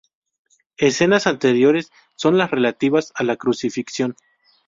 Escenas anteriores son las relativas a la Crucifixión.